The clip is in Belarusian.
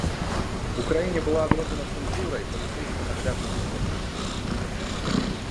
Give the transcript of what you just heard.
У краіне была адроджана цэнзура і паліцэйскі нагляд над іншадумцамі.